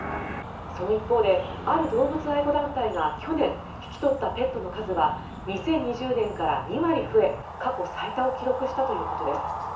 その一方である動物愛護団体が去年引き取ったペットの数は２０２０年から２割増え過去最多を更新したということです。